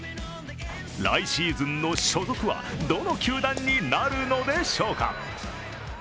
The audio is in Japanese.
来シーズンの所属はどの球団になるのでしょうか？